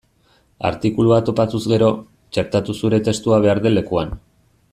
Artikulua topatuz gero, txertatu zure testua behar den lekuan.